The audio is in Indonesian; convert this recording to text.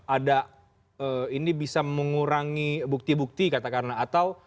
ada ini bisa mengurangi bukti bukti katakanlah atau